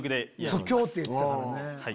即興ってゆうてたからね。